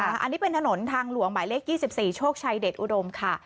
อันนี้เป็นถนนทางหลวงหมายเลข๒๔โชคชัยเดชอุดมค่ะ